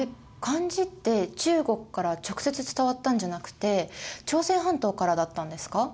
漢字って中国から直接伝わったんじゃなくて朝鮮半島からだったんですか？